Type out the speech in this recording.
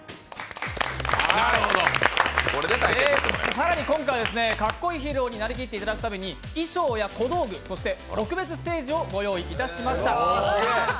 更に今回はカッコいいヒーローになりきっていただくために衣装や小道具、そして特別ステージをご用意いたしました。